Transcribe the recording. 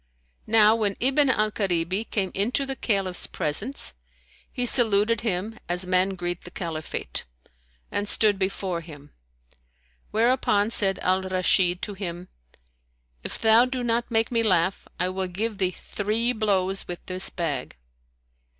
Now when Ibn al Karibi came into the Caliph's presence he saluted him as men greet the Caliphate, and stood before him; whereupon said Al Rashid to him, "If thou do not make me laugh, I will give thee three blows with this bag."